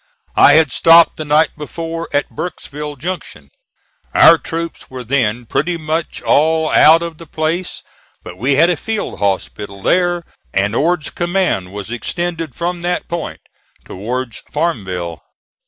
I had stopped the night before at Burkesville Junction. Our troops were then pretty much all out of the place, but we had a field hospital there, and Ord's command was extended from that point towards Farmville.